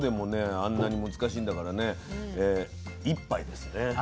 あんなに難しいんだからね１杯ですね。